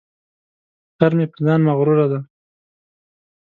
خر مې په ځان مغروره دی.